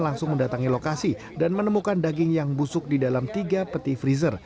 langsung mendatangi lokasi dan menemukan daging yang busuk di dalam tiga peti freezer